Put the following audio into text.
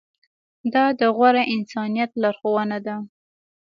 دا د غوره انسانیت لارښوونه ده.